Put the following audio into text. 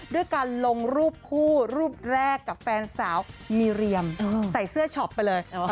ด้วยการลงรูปคู่รูปแรกกับแฟนสาวมีเรียมใส่เสื้อช็อปไปเลย